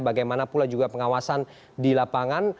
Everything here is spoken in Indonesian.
bagaimana pula juga pengawasan di lapangan